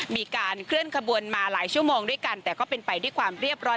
มีการเคลื่อนขบวนมาหลายชั่วโมงด้วยกันแต่ก็เป็นไปด้วยความเรียบร้อย